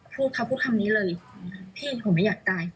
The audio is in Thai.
พูดเขาพูดคำนี้เลยพี่หนูไม่อยากตาย